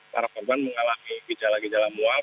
para korban mengalami gejala gejala mual